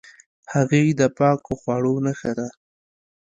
هګۍ د پاکو خواړو نښه ده.